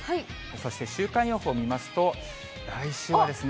そして週間予報見ますと、来週はですね。